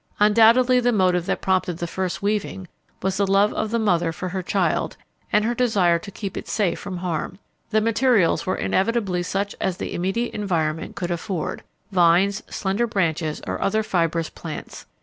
Undoubtedly the motive that prompted the first weaving was the love of the mother for her child, and her desire to keep it safe from harm. The materials were inevitably such as the immediate environment could afford vines, slender branches, or other fibrous plants.